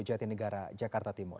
jatinegara jakarta timur